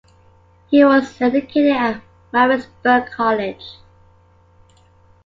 He was educated at Maritzburg College.